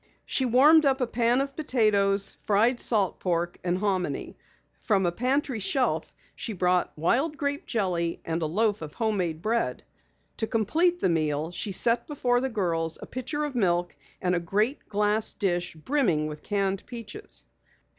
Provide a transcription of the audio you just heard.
She warmed up a pan of potatoes, fried salt pork and hominy. From a pantry shelf she brought wild grape jelly and a loaf of homemade bread. To complete the meal she set before the girls a pitcher of milk and a great glass dish brimming with canned peaches.